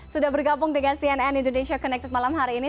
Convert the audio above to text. sudah bergabung dengan cnn indonesia connected malam hari ini